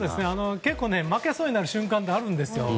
結構、負けそうになる瞬間ってあるんですよ。